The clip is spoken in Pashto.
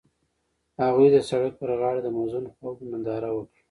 هغوی د سړک پر غاړه د موزون خوب ننداره وکړه.